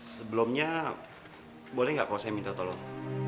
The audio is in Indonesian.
sebelumnya boleh nggak kalau saya minta tolong